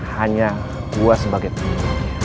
hanya gue sebagai penyelamat